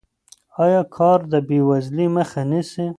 آیا کار د بې وزلۍ مخه نیسي؟